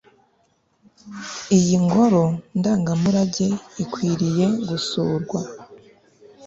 iyo ngoro ndangamurage ikwiriye gusurwa